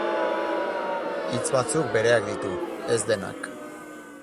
Hitz batzuk bereak ditu, ez denak.